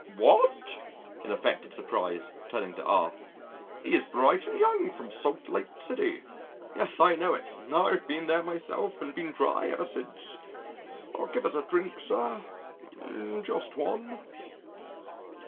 "What!" in affected surprise, turning to R , "he's Brigham Young from Salt Lake City. Yes I know it I've been there myself and been dry ever since. Give us a drink, sir just one."